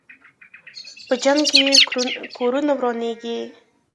په جنګ کې کورونه ورانېږي.